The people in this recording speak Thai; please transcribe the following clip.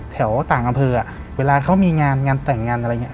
แถวต่างอำเภอเวลาเขามีงานงานแต่งงานอะไรอย่างนี้